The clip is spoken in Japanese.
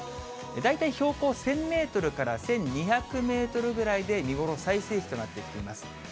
大体標高１０００メートルから１２００メートルぐらいで、見頃最盛期となっていきます。